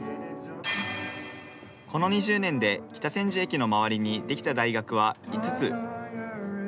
この２０年で北千住駅の周りにできた大学は５つ。